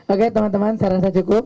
oke teman teman saya rasa cukup